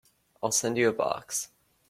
I'll send you a box.